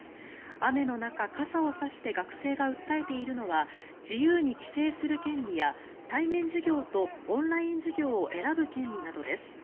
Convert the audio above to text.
雨の中、傘を差して学生が訴えているのは自由に帰省する権利や対面授業とオンライン授業を選ぶ権利などです。